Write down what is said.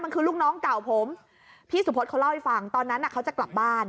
มันคือลูกน้องเก่าผมพี่สุพศเขาเล่าให้ฟังตอนนั้นเขาจะกลับบ้าน